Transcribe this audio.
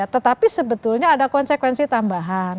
tetapi sebetulnya ada konsekuensi tambahan